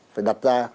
phải đặt ra